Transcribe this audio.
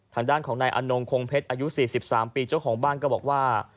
ทางด้านของนายอนงคงเพชรอายุ๔๓ปีเจ้าของบ้านก็บอกว่า